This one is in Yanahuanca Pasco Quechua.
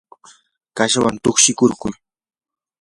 kashawan tukshikurquu.